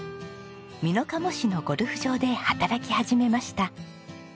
美濃加茂市のゴルフ場で働き始めました。